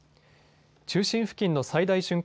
中心付近の最大瞬間